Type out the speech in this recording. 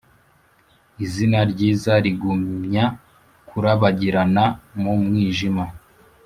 izina ryiza rigumya kurabagirana mu mwijima.